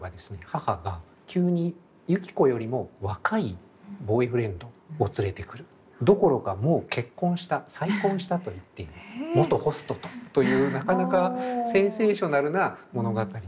母が急に雪子よりも若いボーイフレンドを連れてくるどころかもう結婚した再婚したと言って元ホストとというなかなかセンセーショナルな物語の転がり方で始まるんです。